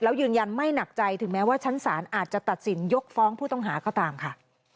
แล้วยืนยันไม่หนักใจถึงแม้ว่าชั้นศาลอาจจะตัดสินยกฟ้องผู้ต้องหาก็ตามค่ะ